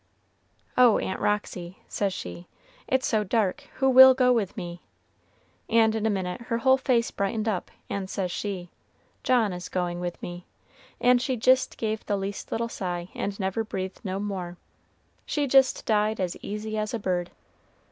"'Oh, Aunt Roxy,' says she, 'it's so dark, who will go with me?' and in a minute her whole face brightened up, and says she, 'John is going with me,' and she jist gave the least little sigh and never breathed no more she jist died as easy as a bird.